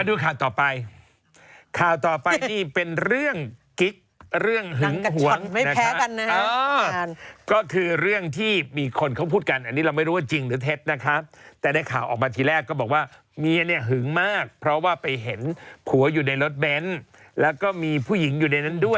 นี่อาจารย์อย่าพูดพรุ่งชนเพราะหนักออกมาพูดว่าเป็นอุบัติเหตุ